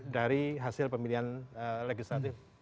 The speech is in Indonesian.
dari hasil pemilihan legasnya